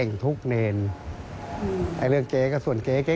คุณผู้ชมฟังเสียงเจ้าอาวาสกันหน่อยค่ะ